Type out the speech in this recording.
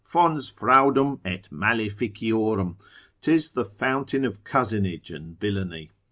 Fons fraudum et maleficiorum, 'tis the fountain of cozenage and villainy.